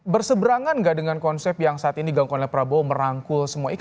berseberangan gak dengan konsep yang saat ini gang konel prabowo merangkul semua